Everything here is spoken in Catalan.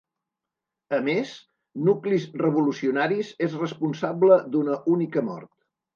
A més, Nuclis Revolucionaris és responsable d'una única mort.